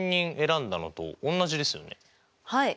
はい。